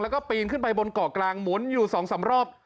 แล้วก็ปีนขึ้นไปบนเกาะกลางหมุนอยู่๒๓รอบ